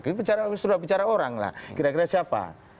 kita sudah bicara orang lah kira kira siapa